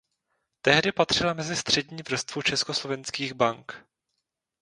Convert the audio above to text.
Tehdy patřila mezi střední vrstvu československých bank.